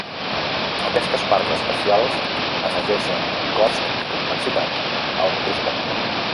Aquestes parts especials afegeixen cost i complexitat al microscopi.